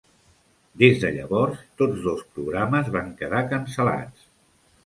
Des de llavors, tots dos programes van quedar cancel·lats.